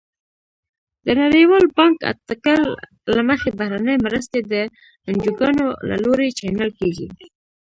د نړیوال بانک اټکل له مخې بهرنۍ مرستې د انجوګانو له لوري چینل کیږي.